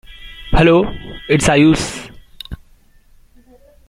It was drooping now, striking a sinister note.